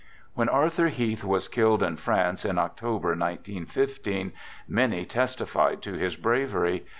When Arthur Heath was killed in France, in Oc tober, 19 1 5, many testified to his bravery.